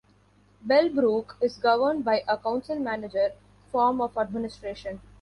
Bellbrook is governed by a council-manager form of administration.